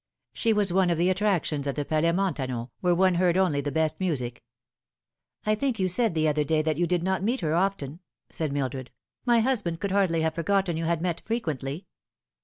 She was one of the attractions at the Palais Montano, where ono heard only the best music." " I think you said the other day that you did not meet her often," said Mildred. " My husband could hardly have forgotten you had you met frequently."